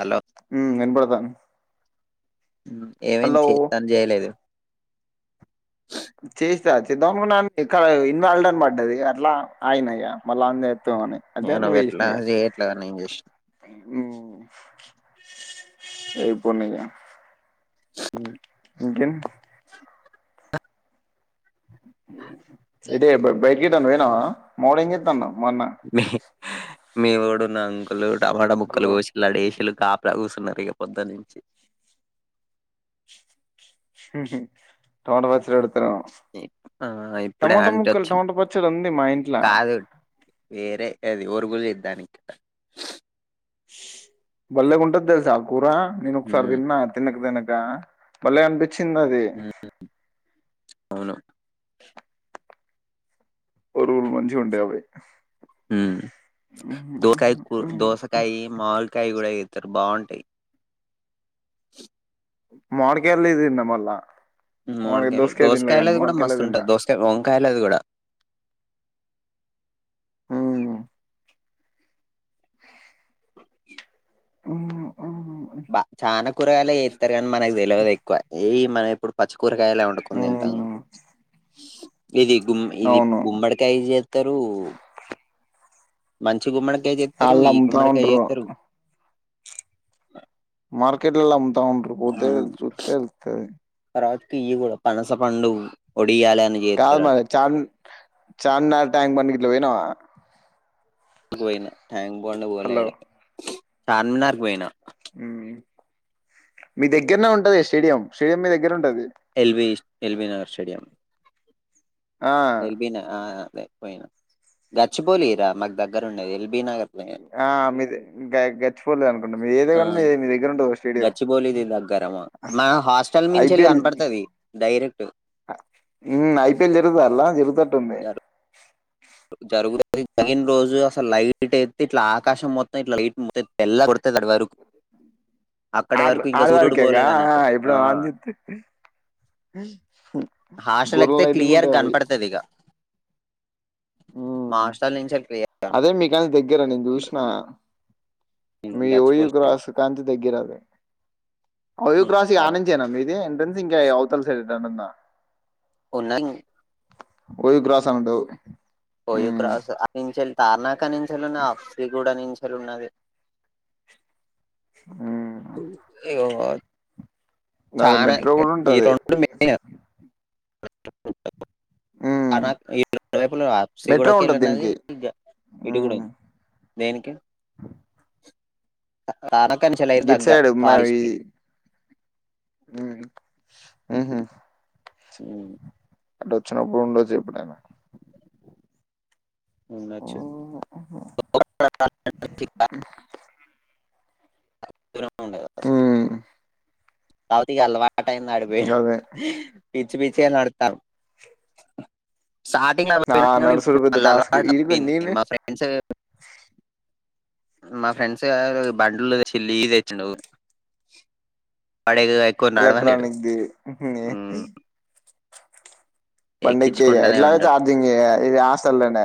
Hello ఉ ఇంబడ్తాంది ఏమయింది చెత్తాని చేయలేదు చేస్తా చేద్దామ అనన్ ఇక ఇన్వాల్డ్ అని పడ్డది అట్లా అగినిగ మళ్ళా అందేత్తం అని అయితే నేను నువ్ ఎట్లా చేసినవ్ ఇగ చేయట్లే నేను చేసిన హ్మ్ ఏ పోనిగా అ ఇంకేంద్ ఇదే బైక్ ఇయిటానికి పోయినావా మావోడూ ఏంజేతండు మొన్న మివోడూ నాన్కులో టమాటా ముక్కల్లు హలో! కోశిల్లూఆడేషిల్లు కాపలా కూసున్న ఇగ పొద్దున్నుంచి టమాట పచ్చడు ఆ ఇప్పుడే టమోటా ఆంటీ ముక్కలు వచ్చింది టమాటా పచ్చడి ఉంది మా ఇంట్ల కాదు వేరే అది ఒరుగులు చేద్దానికి బల్లెగుంటది తెలుసా కూర నేన్ ఒకసారి ఉమ్ తిన్న తినక తిన న బల్లె అన్పి పించిందది ఉమ్ అవును ఒరుగులు మంచిగుంటాయి అవి హ్మ్ దోకాయ దోసకాయ మావిడికాయి కూడా ఏతారు బావుంట టయి మావిడికాయలేదేంది మళ్ళా మామిడి మావిడికాయలు దోసకాయ తినలే కానీ దోసకాయలది కూడా మామిడికాయలే తిన్నా మస్తుంటది దోసకాయ వంకాయలది కూడా హ్మ్ హ్మ్ బా చాను కూరగాయలే [unintelligible] అంటారు గాని మనకు తెలవదు ఎక్కువ ఏ మన ఎప్పుడు పచ్ కూరగాయలే వండకుని తింటం ఇది గుమ్ ఇది అవును గుమ్మడికాయ జేత్తరు మంచిగు గుమ్మడి కా ఎతారు ఆళ్ళు ఈ అమ్ముతా గుమ్మడికాయతారు మార్కెట్లలా తాగుంట పోతేతతే ఈ కూడా పనస పండు ఒడియాలి అని కా చేత్తరట మరి చా చానా ట్యాంగ్ పంట్లో పోనా ఎకువనా హాంగ్ బో పోలే హలో ఎడ చార్మినార్కు పోయినా మీ దగ్గరనే ఉంటది స్టేడియం స్టేడియం మీ దగ్గర ఉంటది ఎల్ వి ఎల్ వి నగర్ స్టేడియంమ్ ఆ ఎల్ బిన పోయినా గచ్చిపోలిరా మాకు దగ్గర ఉండేది ఎల్బి నగర్ పోయినా ఆ మీ గచిపోలేదు అనుకుంటే మీరు ఏదే ఆ కానీ మీ మీ దగ్గర ఉంటే వ ట గచ్చిబౌలిది దగ్గర మా మా హాస్టల్ మించెల్లి ఐపీఎల్ కనపడతది డైరెక్ట్ ఐపీఎల్ జరుగుత అలా జరుగుతట్టు ఉంది జరుగుతుది జరిగిన రోజు అసలు లైట్ అయితే ఇట్లా ఆకాశం మొత్తం ఇట్లా లైట్ మొ తెల్ల కొడతంది అది వరకు అక్కడి ఆ వరకు ఇంకా ఆడ సూర్యుడు వారికేకా పోలేదు అన్నట్టు ఇప్పుడ ఆ రాంజత్ హాస్టల్ ఎక్కితే గర్రలైటింగ్ క్లియర్ ఉంటాయ పోయి మాస్టర్ నుంచి క్లియర్ అదే మీకా దగ్గ రా నను చూష్రీన మీ ఓయ గచ్చిపూడిలో క్రాసు కాంతి దగ్గర అే అఓ క్రాస్ అవును ఆనించేనా మీది ఎంట్రెన్స్ ఇంకా అవుతా సరే ంద ఉ ఓయ్ గ్రాసం ఉండవు పో ఇ క్రస్ తారణకని ఆఫి కూడా నించి ఫెరున్నద ఆ [inaudible] నాది చనా మెట్రో గూడా ఈ ఉంటది రెండు మెయిన్ [inaudible] హ్మ్ రెవైపులు ఆప్సి మెట్రో కూడాక ఉంటది వెళ్ళన్నది దీనికి ఇటు కూడా హ్మ్ ఉంది దేనికి కనక చెల గిట్ తగ్గ సైడ్ మా ఈ కాలేజ్కి [inaudible] అ అంటే వచ్చినప్పుడు ఉండో చెప్పుడైనా వు అ ఇ ఉండ కాసలు హ్మ్ సవుత గల్ వా ఆ టై న ఆడుపోయి గదే పిచ్చి పీచ్చ నతాం స్టార్టింగ్ ఆ అపోయినా కానీ నడుసుడు పెద్ద ఇప్పుడుళ్ టాస్క్ అలవాటు ఈడికి అపోయింది నేను మా ఫ్రెండ్స్ మా ఫ్రెండ్స్ గారు బంలు తెచ్చి లీ తెచ్చిండవు వాడే ఎక్కువ నడవన్నాడు ఎలక్ట్రానిక్ ది పండకి ఎట్లా ఉంటాడు చార్జింగ్ ఆసలనే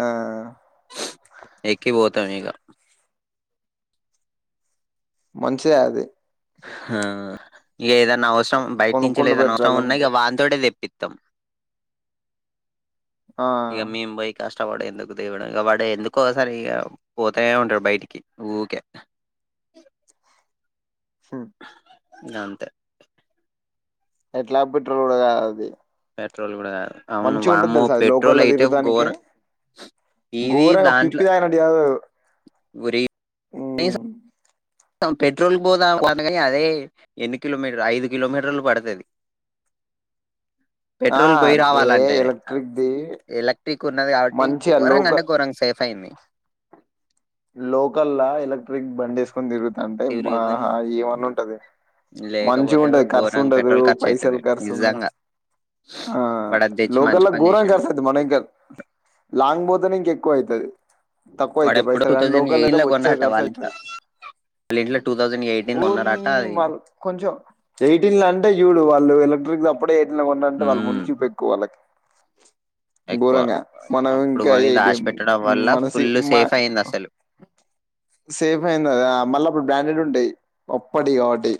ఆ ఎక్కిపోతాం ఇక మనిషే అది ఆ ఇక ఏదైనా అవసరం బటించిలో కొనుక్కుండు ఏదైనా బెటర్ అవసరం ఉన్నా అదొకటి ఇక వాతో తెప్పిద్ంది తం ఆ ఇక మీంబై కాష్ట కష్టవాడు ఎందుకు దేవ ఇక వాడు ఎందుకోసారి ఇ పోతనే ఉంటాడు బయటికి ఊరికే సార్ న అంతే ఎట్లా పెట్రుడగా అది పెట్రోలు కూడా కాదు అవును మంచి ఉంటది వామ్మో తెలుస అది పెట్రోల్ లోకల్ల్లో అయితే తిగుటానికి ఘోరం ఇది ఘోరంగా దాంట్లో పిప్పిదాయినట్టు [unintelligible] ఉమ్ పెట్రోల్ పోదా కానీ అదే ఎన్ని కిలోమీటర్ ఐదు కిలోమీటర్లు పడతది ఆ పెట్రోల్ పోయి ఏ రావాలంటే ఎలక్ట్రిక్ ది ఎలక్ట్రిక్ ఉన్నది కాబట్టి మంచిగా ఘోరంగా అంటే లోకల్ ఘోరంగా సేఫ్ అయింది లోకల్ లా ఎలక్ట్రిక్ బండేస్ కొందిరు తిరుగ్ అంటే తిరిగం ఏమన్నా ఉంటది మంచి లేకపోతే ఉంటది ఖర్చు ఘోరంగా ఉండదు పెట్రోల్ ఖర్చు పైసలు అయితది ఖర్చు ఉండ నిజంగా ఆ వాడు అది తెచ్చి మంచి లోకల్ల్ పని ఘోరం చేసిండు కర్స్తుది మన ఇంకా లాంగ్ బోతేనే ఇంక ఎక్కువ అవుతుది తక్కువ వాడు అయితే ఎప్పుడు పైసలు టూ కాని థౌజండ్ లోకల్ అయితే ఎయిటీన్ లో వచ్చాడు కొన్నారట కర్స వాళ్ళ ఇంట్లో అవుతుంది వాళ్ళ ఇంట్లో టూ థౌజండ్ ఎయిటీన్ లో ఓరిని కొన్నారట అది వాళ్ళ కొంచెం ఎయిటీన్ లో అంటే చూడు వాళ్ళు గోడ్లపుడే ఉన్నంటే వాళ్ళు ముందు చూప ఎక్కువ వాళ్ళకి ఎక్కువ బూరంగా మనం అప్పుడు ఇంకా కొని ఏ దాచి టేమ్ పెట్టడం వల్ల మన ఫుల్ సేఫ్ అయింది అసలు సేఫ్ అయిందిదా మళ్ళీ అప్పుడు బ్రాండెడ్ అంటే ఒప్పడి కాటే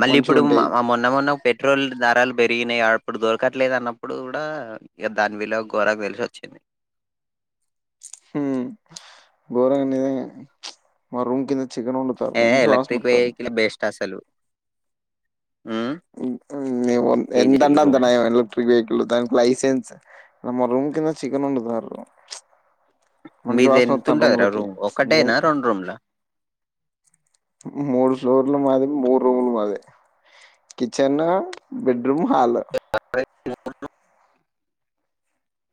మళ్ళీ ఇప్పుడు మొన్న మొన్న పెట్రోల్ ధరలు పె పెరిగినాయి ని అప్పుడు దొరకట్లేదు అన్నప్పుడు కూడా ఇక దాని విలువ ఘోరంగా తెలిసి వచ్చింది ఉమ్ గోరనీద మ రూం కంద ఏ ఎలక్ట్రిక్ వెహికల్ బేస్ట్ అసలు ఉమ్ ఉమ్ ఎ ఏం దండ చేసిల్లు రూమ్ అంతనాయం ఎలక్ట్రిక్ వెహికల్ లైెసెన్స్ మొ రూం కింద చికన్ వడుతారు మీది ఎతుంటదరా రూమ్ మేము ఒక్కటేనా రెండు రూమ్లా మూడు ఫ్లోర్లు మాది మూడు రూములు మాది కిచెన్ బెడ్ రూమ్ హాల్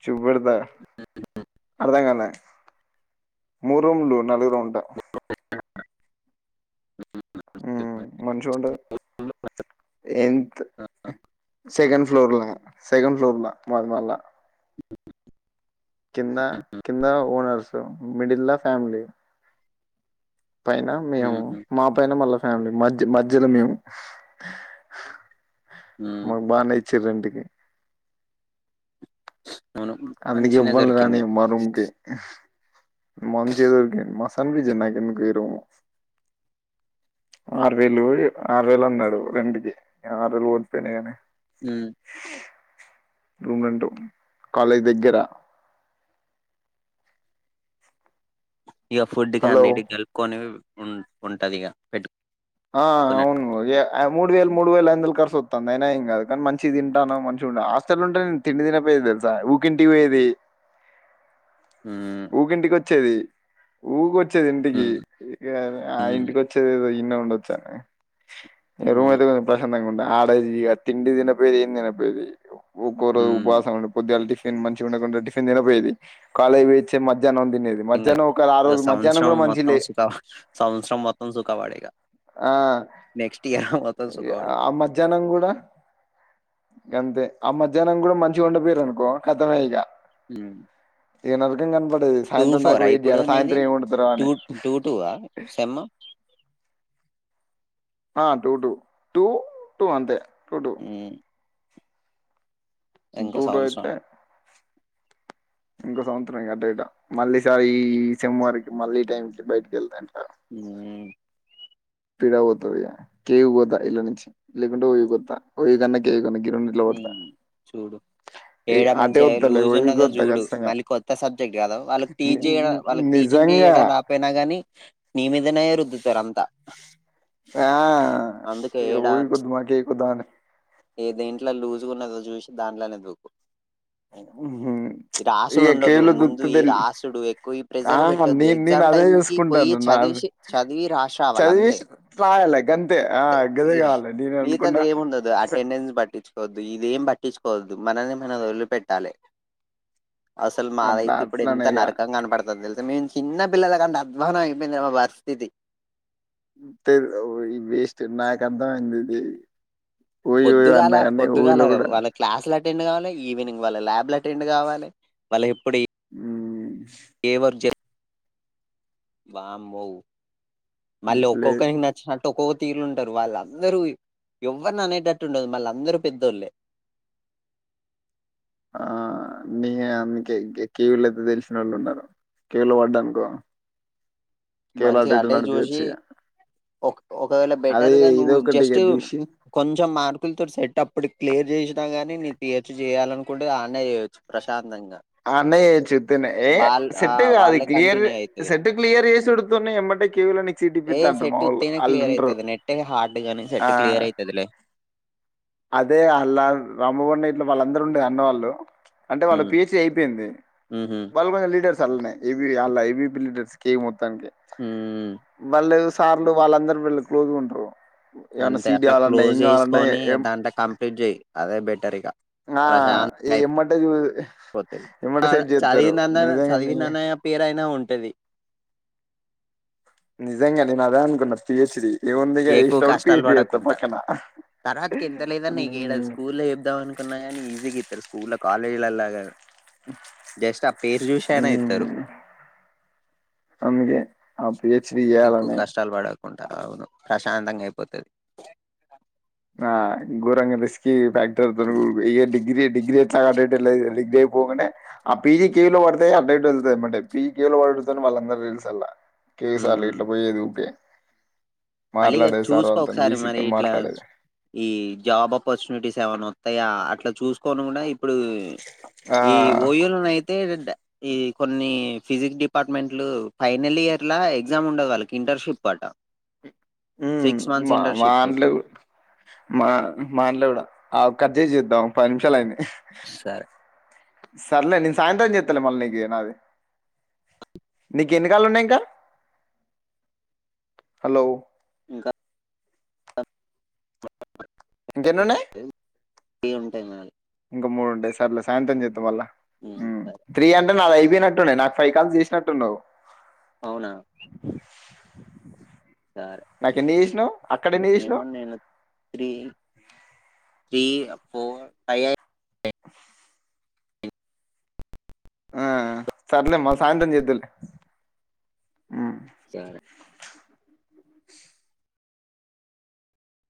చుబడదా అర్థం కాలే మూ రూం లు నలుగు రూంటామ్ ఉమ్ మంచిగుంటది ఎంత సకండ్ ఫ్లోర్లా సకండ్ ఫ్లోర్లా మాది మళ్లా కింద కింద ఓనర్స్ సో మిడిల్లా ఫ్యాలీ పైన మేము ఉహు మా పైన మల్లస్ ఫ్యామిలీ మధ్య మధ్యలో మేము ఉమ్ మాకు బానే ఇచ్చ రండి కే అవును అందుకే మంచినే ఎవ్వల్ని దొరికింది రానిమ్ మా రూమ్కి మంచిగ దొరికింది మా సన్ బిజీ నాక్ ఎందుకు ఈ రూమ్ ఆరు వేలు ఏ ఆరు వేలు అన్నాడు రెంట్కి ఆర్ వేళ్ పోతేనేమి ఊ రూమ్ రెంట్ కాలేజ్ దగ్గెర ఇగ ఫుడ్ కి హలో అన్నిటిక్ కలుపుకొనివ్ ఉన్ ఉంటదిగా పెట్ ఆ అవును ఏ ఆ మూడు వేలు మూడు వేలు వందల్ కర్సు ఒత్తాంది అయినా ఏం గాదు కానీ మంచిగ్ తింటాన్నం మంచిగ్ ఉంటా హాస్టల్ ఉంటే నేను తిండి తినక్పోయ తెల్సా ఊకింటికి పోయేది ఊ చ్చెది ఊకోచ్ చ్చేది ఇంటికి ఉమ్ ఇక ఆ ఉమ్ ఇంటికి ఒచ్చేది ఏదో ఈన్నే ఉండచ్ సరే రూమ్ అవును అయితే కొంచం ప్రశాంతంగ్ ఉండా ఆడై ఇడ తిండి తినక్ పే ఏం తినక్ పే [unintelligible] ఒక్కొరు ఉమ్ ఉపవాసం ఉండి పొద్దుగ్యాల్ టిఫ్ తిన్ మంచిగ్ ఉండకుండా టిఫిన్ తినక్పోయేది కాలేజ్ పెయిచే మద్ ఇంగా ఇగ సౌన్చ్రం కూడా మొత్తం మంచిలే సుఖ సౌన్చ్రం మొత్తం సుఖపడే ఇగ ఆ నెక్స్ట్ ఇయర్ మొత్తం ఏ సుఖపడు ఆ మధ్యానం గుడా గంతే ఆ మధ్యాహ్నం గుడ మంచిగ్ ఒండక్పోయ్ర్ అనుకో కథమే ఇక హ్మ్ ఏనరకం కన్పడ ఇది టూ సాయంత్రం దాకా ఫోరా వెయిట్ ఇప్పుడు జేయాలా నీది సాయంత్రం ఏం ఒండుతరో టూ అని టూ టూ ఆ సెమ్ ఆ టూ టూ టూ టూ అంతే టూ టూ హ్మ్ ఇంకో టూటూ సంవత్సరం అయితే ఇంకో సంవత్సరం ఇంగ అటో ఇట మళ్ళీసారి ఈ సెమ్ వరిక్ మళ్ళీ ఈ టైంకి బయటకి ఎల్తాండ్రి హ్మ్ పీడ పోతుంది ఇగ కేవ్ పోతా ఎల్లుండి నుంచి లేకుంటే ఓయోక్ ఒత్త ఓయో కన్న కేక్ అన్న మ్మ్ చూడు ఏ చేయడం అటే మంచిగా వత్తలే లూజ్ ఓయూకి ఉన్నదో వత్తా చూడు ఖచ్చితంగా మళ్ళీ కొత్త సబ్జెక్ట్ కదా వాళ్ళు ని టీచ్ చేయడం ని వాళ్ళక్ టీచింగ్ నిజంగా చేయడం రాక్పోయినా గాని నీ మీదనే రుద్దుతార్ అంతా ఆ అందుకే ఈడ వొయుల్ కొద్దు మాకే కొద్దా అని ఏదైన్ ఇట్ల లజు గున్నదో జుసి దాంట్లోనే దూకు ఉహూ రాసుడు ఇగ ఉండదు కేవ్‌లో ముందు ఈ దొరుకుతది రాసుడు ఎక్కువ ఈ ఆ ప్రెజర్ పెట్టొద్దు నేను నేను ఎగ్జామ్ అదే టైం కి పోయి చూసుకుంటాను నా చదివిసి చదివి రాస్ రావళ్ళ అంతే చదివేసి రాయాలే గంతే ఆ తే గదే ఈ కావాలి నేను మిగతది అనుకున్నా ఏముండదు అటెండెన్స్ బట్టి చు ఇదేం పట్టించుకోవద్దు మనల్ని మనం వదిలి పెట్టాలే అసలు అట్లా మాదైతే ఇప్పుడు ఎంత అట్లనే ఇగ నరకంగా కనపడుతుంది తెలు మ చిన్నపిల్ల కన్నా అధ్వానం అయిపోయింది మా పరిస్థితి ఈ వేస్ట్ నాకు అర్థం అయింది ఇది ఓయూ ఓయూ పొద్దుగాల అన్నా గాని పొద్దుగాల ఓయూలో కూడా వాళ్ళ క్లాసులు అత అటెండ్ కావాలి ఈవినింగ్ వాళ్ళ ల్యాబ్లు అటెండ్ కావాలే వాళ్ళకి ఎప్పుడు హ్మ్ ఏ వర్క్ చే వామ్మో మారి లేదు ఒకోక్కరికి నచ్చినట్టు ఒకోరు తీరుంటారు వాళ్ళందరూ ఎవ్వరిని అనేటట్టు ఉండదు మళ్ళ అందరూ పెద్దోళ్ళే ఆ నీ అందుకే కవీల అయితే తెలిసిన వాళ్ళు ఉన్నారు కిలో పడ్డానీకో వాళ్ళ చేత నాడిపిచ్చ ఇగ ఓక్ ఒకవేళ అదే బెటర్ గా ఇది నువ్వు ఒకటి ఇగ జస్ట్ చూసి కొంచెం మార్కులతో సెట్ అప్పుడు క్లియర్ చేసినా గాని నిక్ పిహెచ్ చేయాలనుకుంటే ఆడనే చేయచు ప్రశాం అన్నయ్య చుత్నే ఏ వాళ్ళ ఆ సెట్ కాది వాళ్ళే క్లియర్ కంటిన్యూ అయితది సెట్ క్లియర్ చేసి చెడతు ఏమంటే క్లియర్ అని ఏయ సెట్ ఉత్యినా క్లియర్ అవుతుది నెట్ హార్డ్ గాని ఆ సెట్ క్లియర్ అయితదిలే అదే అలా రామబండ ఇట్లు వాళ్ళందరుూ ఉండే అన్న వాళ్ళు అంటే వాళ్ళు ఉమ్ పిహెచ్ అయిపోయింది ఉహు వాళ్ళు కొంచెం లీడర్ చల్న ఇవి అలా ఇవి బిలీడర్స్ కే మం ఉమ్ మళ్ళ సార్లు వాళ్ళందరుూ వెళ్ళి క్లోజగా ఉంటారు ఏమన్నా అంతే సీట్ అట్లా కావాలన్నా ఏం క్లోజ్ కావాలన్నా చేసుకొని ఏం దాంట కం ఫ్రిడ్జయయి అదే బెటరికా ఆ ఇమ్మటే చూ పోతది ఇమ్మటే ఆ సెట్ చేస్తారు నిజంగా మీ పద్ది నిజంగా నేను అదే అనుకున్నా పిహెచ్ డి ఎక్కువ కష్టాలు పడకుంట తర్వాతకి ఎంత లేదనా నీకు ఏదన్న స్కూల్ లో వేదం అనుకున్నా కానీ ఈజీ గా ఇత్తరు స్కూల్ కాలేజ్ లలా ఇత్తరు మ్మ్ అందుకే అ పి హెచ్ డి చేయాలి అనే ఉంట అవును ప్రశాంతంగా అయిపోతది ఆ గోరంగ బిస్ ఫ్యాక్టర్ ఇ డిగ్రీ డిగ్రీ ఎట్లాడేదు డిగ్రీ పోగంటే అ పిజీ కలో పడుతుయి అడ మంటే పీకలో వాడుతని వాళ్ళ అందరు తెలుస అలా కేఎస్ఆర్ ఉమ్ ఇట్లో పోయి ఉకి మళ్ళీ ఇగ మాట్లాడేది సార్ చూసుకో వాళ్ళతోని ఒకసారి మరి బీసీతోని ఇట్లా మాట్లాడేది ఈ జాబ్ ఆపర్చునిటీస్ ఏమైనా వస్తాయా అట్లా చూసుకోని కూడా ఇప్పుడు ఆ ఈ యోలోన అయితే ఏంట ఈ కొన్ని ఫిజిక్స్ డిపార్ట్మెంట్లు ఫైనల్ ఇయర్ ఎగ్జామ్ ఉండగాలకి ఇంటర్న్షిప్ ఆట మా మానల మా మానలవిడ ఆ కట్ చేసి చేద్దాం ఒక పది నిమిషాల అయింది సరే సర్లే నేను సాయంత్రం చెస్తాలే మళ్ళీ నీకు నాది నీకు ఎన్నికళ్లు ఉన్నాయి ఇంక హలో ఇంకా బ ఇంకేనున్నై తెది ఇం మూడుండే సర్లే సాయంత్రం చేద్దం వల్ల ఉమ్, సరే త్రీ అంటే నాది అయిపోయినట్టుండ నాకు ఫైవ్ కాల్స్ చేసినట్టున్నావు అవునా సరే నాకు ఎన్ని చేసినవు అక్కడ ఎన్ని ఏమో చేసినావ్ నేను త్రీ త్రీ ఫోర్ ఫైవ్ ఆ సర్లే మల్ల సాయంత్రం చేదులే సరే